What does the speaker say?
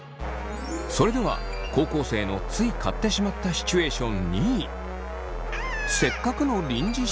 それでは高校生のつい買ってしまったシチュエーション２位。